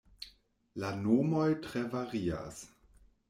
La nomoj tre varias.